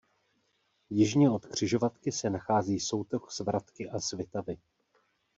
Jižně od křižovatky se nachází soutok Svratky a Svitavy.